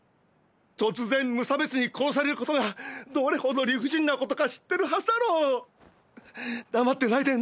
突然無差別に殺されることがどれほど理不尽なことか知ってるはずだろ⁉黙ってないで何とか言えよ！！